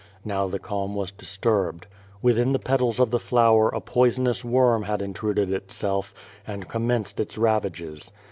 Now the calm was disturbed. Within the petals of the flower a poisonous worm had intruded itself, and commenced its ravages.